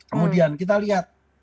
kemudian kita lihat